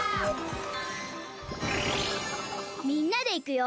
みんなでいくよ！